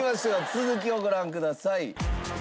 続きをご覧ください。